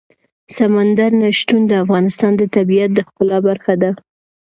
سمندر نه شتون د افغانستان د طبیعت د ښکلا برخه ده.